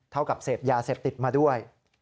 กับเสพยาเสพติดมาด้วย